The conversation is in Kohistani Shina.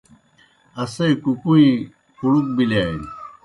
اسے کُکُویں کُڑُک بِلِیانیْ۔